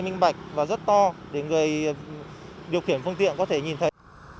minh bạch và rất to để người điều khiển phương tiện có thể nhìn thấy